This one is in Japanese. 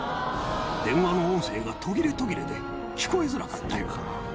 電話の音声が途切れ途切れで聞こえづらかったよ。